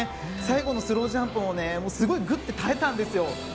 最後のスロージャンプもすごいぐっと耐えたんですよ。